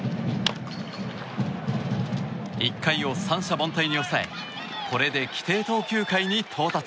１回を３者凡退に抑えこれで規定投球回に到達。